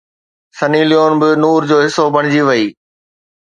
سني Leone به نور جو حصو بڻجي وئي